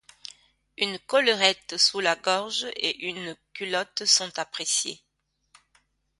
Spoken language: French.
Une collerette sous la gorge et une culotte sont appréciés.